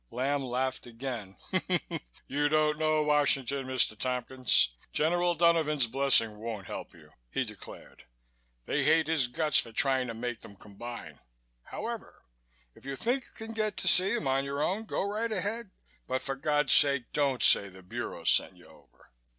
Lamb laughed again. "You don't know Washington, Mr. Tompkins. General Donovan's blessing won't help you," he declared. "They hate his guts for trying to make them combine. However, if you think you can get to see him on your own, go right ahead but for God's sake don't say the Bureau sent you over."